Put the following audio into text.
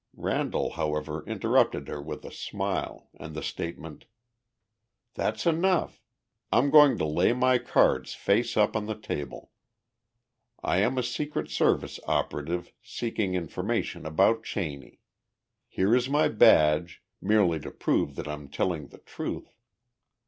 Randall, however, interrupted her with a smile and the statement: "That's enough! I'm going to lay my cards face up on the table. I am a Secret Service operative seeking information about Cheney. Here is my badge, merely to prove that I'm telling the truth.